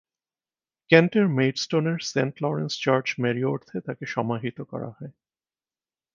কেন্টের মেইডস্টোনের Saint Lawrence church মেরিওর্থে তাঁকে সমাহিত করা হয়।